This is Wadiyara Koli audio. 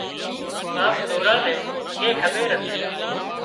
ڪانڪ سوران نين اڳي کٻير هتي